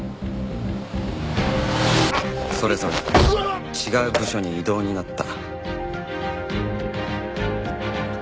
それぞれ違う部署に異動になった